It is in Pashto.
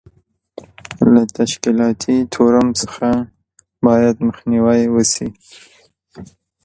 له تشکیلاتي تورم څخه باید مخنیوی وشي.